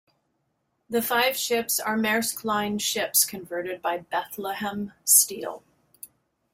The five ships are Maersk Line ships converted by Bethlehem Steel.